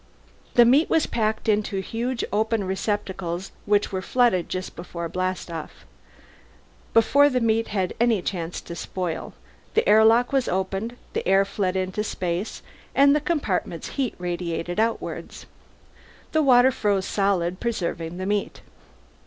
The meat was packed in huge open receptacles which were flooded just before blastoff; before the meat had any chance to spoil, the lock was opened, the air fled into space and the compartment's heat radiated outward. The water froze solid, preserving the meat.